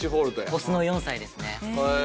オスの４歳ですね。